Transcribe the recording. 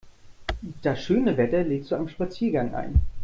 Das schöne Wetter lädt zu einem Spaziergang ein.